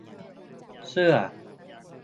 เสื้อ